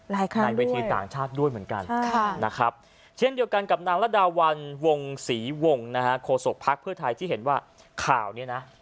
ใช่ค่ะในเวทีต่างชาติด้วยเหมือนกันนะครับเช่นเดียวกันกับนางระดาวันวงศรีวงศ์นะฮะโฆษกภักดิ์เพื่อไทยที่เห็นว่าข่าวนี้นะ